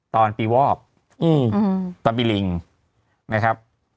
ตอนปีวอกตอนปีลิงนะครับ